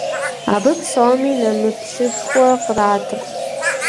Абы псоми нэмыплъышхуэ къратырт.